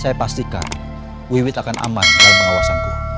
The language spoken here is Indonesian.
saya pastikan wiwi tak akan aman dalam pengawasanku